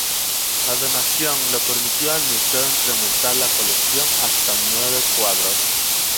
La donación le permitió al museo incrementar la colección hasta nueve cuadros.